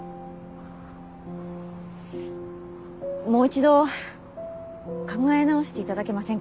もう一度考え直して頂けませんか？